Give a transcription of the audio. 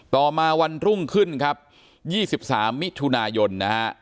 ต่อมาวันรุ่งขึ้นครับ๒๓มิถุนายนนะฮะ